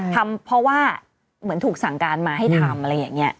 ทำเพราะว่าเหมือนถูกสั่งการมาให้ทำอะไรอย่างนี้